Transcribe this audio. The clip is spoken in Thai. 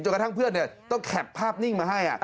กระทั่งเพื่อนต้องแคปภาพนิ่งมาให้